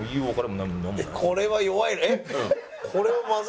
これは弱いえっ？